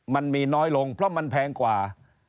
มันมีน้อยลงเพราะมันแพงกว่า